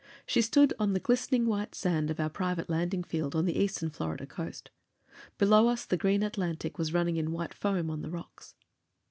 She stood on the glistening white sand of our private landing field on the eastern Florida coast. Below us the green Atlantic was running in white foam on the rocks.